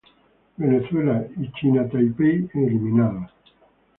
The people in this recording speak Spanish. Venezuela y China Taipei eliminados.